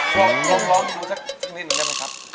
ลองดูสักนิดหนึ่งได้ไหมครับ